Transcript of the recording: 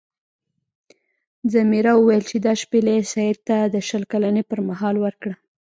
ځمیرا وویل چې دا شپیلۍ سید ته د شل کلنۍ پر مهال ورکړه.